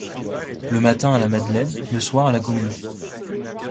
Le matin à la Madeleine, le soir à la Comédie.